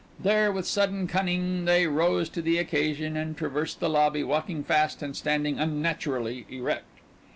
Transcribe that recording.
There, with sudden cunning, they rose to the occasion and traversed the lobby, walking fast and standing unnaturally erect.